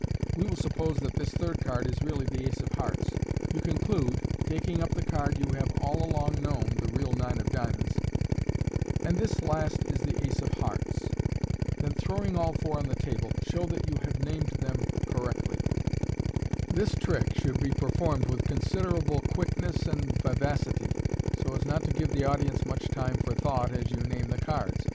We will suppose that this third card is really the ace of hearts. You conclude, taking up the card you have all along known (the real nine of diamonds), " And this last is the aci of hearts." Then, throwing all four on the table, show that yon have named them correctly. This trick should be performed with considerable quickness and vivacity, so as not to give the audience much time for thought as you name the cards.